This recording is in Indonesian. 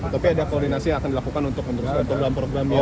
tapi ada koordinasi yang akan dilakukan untuk program programnya